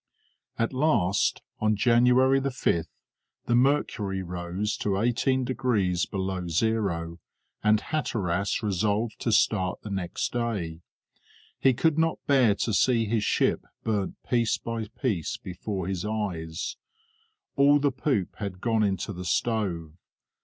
At last, on January 5th, the mercury rose to 18 degrees below zero, and Hatteras resolved to start the next day; he could not bear to see his ship burnt piece by piece before his eyes; all the poop had gone into the stove.